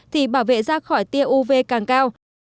thì bảo vệ ra khỏi tia uv càng cao